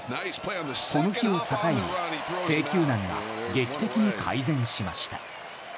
この日を境に制球難が劇的に改善しました。